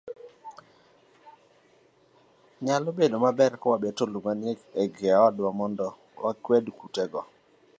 Nyalo bedo maber ka wabeto lum machiegni gi odwa mondo omi wakwed kutego.